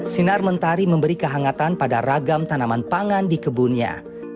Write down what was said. sinar mentari memberi kehangatan pada ragam tanaman pangan di kebunnya